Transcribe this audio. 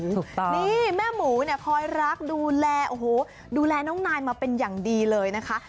นี่แม่หมูคอยรักดูแลดูแลน้องนายมาเป็นอย่างดีเลยนะคะ